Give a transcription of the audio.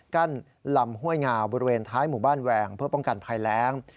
ลำห้วยงาบริเวณท้ายหมู่บ้านแหวงเพื่อป้องกันภัยแรง